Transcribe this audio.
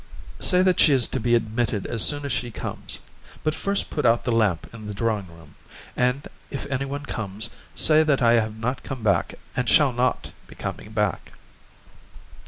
"Say that she is to be admitted as soon as she comes. But first put out the lamp in the drawing room, and if anyone comes, say that I have not come back and shall not be coming back."